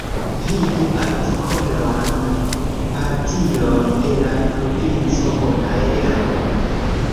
Vidu artikolon Partioj de la Provinco Bonaero.